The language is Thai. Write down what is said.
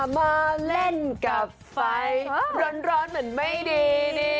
มาเล่นกับไฟร้อนเหมือนไม่ดี